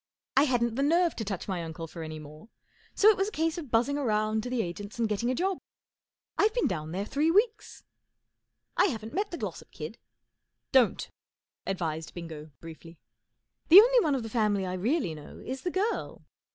I hadn't the nerve to touch my uncle for any more, so it was a case of buzzing round to the agents and getting a job. I've been down there three weeks." 44 I haven't met the Glossop kid." 44 Don't !" advised Bingo, briefly. " The only one of the family I really know is the girl."